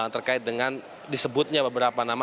terkait dengan disebutnya beberapa nama